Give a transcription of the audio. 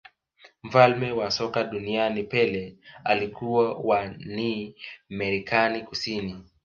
mfalme wa soka duniani pele alikuwa wa ni amerika kusini